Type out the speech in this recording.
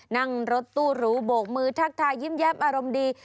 นั่งรถตู้หรูโบกมือทักทายยิ้มแย้มอารมณ์ดี